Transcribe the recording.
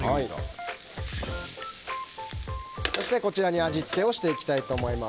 そして、こちらに味付けをしていきたいと思います。